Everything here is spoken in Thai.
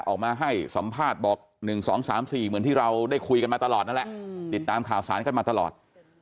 ออกมาให้สัมภาษณ์บอก๑๒๓๔เหมือนที่เราได้คุยกันมาตลอดนั่นแหละติดตามข่าวสารกันมาตลอด